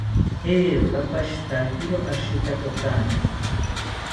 Eeroka pashitakiro ashitakontzi